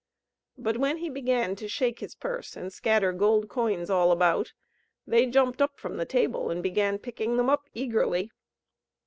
But when he began to shake his purse and scatter gold coins all about, they jumped up from the table, and began picking them up eagerly.